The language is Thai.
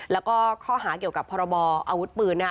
แล้วก็ข้อหาเกี่ยวกับพรบออาวุธปืนนะคะ